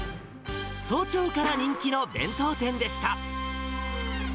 早朝から人気の弁当店でした。